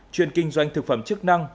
chuyên kinh doanh thực phẩm chức năng